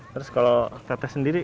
terus kalau kak teh sendiri